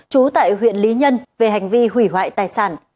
trú tại huyện lý nhân về hành vi hủy hoại tài sản